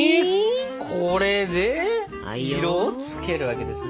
これで色をつけるわけですね？